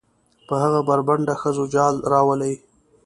په هغه بربنډو ښځو جال روالي.